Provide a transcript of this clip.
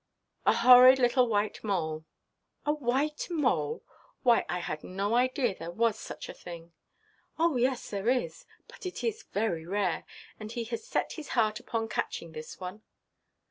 "A horrid little white mole." "A white mole! Why, I had no idea that there was such a thing." "Oh yes, there is: but it is very rare; and he has set his heart upon catching this one."